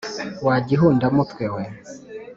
wa gihunda-mutwe we